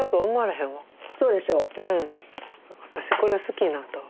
私これ好きになったわ。